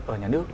ở nhà nước